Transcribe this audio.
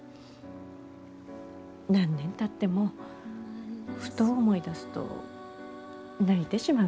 何年たってもふと思い出すと泣いてしまうから。